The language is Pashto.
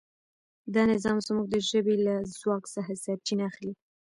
دا نظام زموږ د ژبې له ځواک څخه سرچینه اخلي.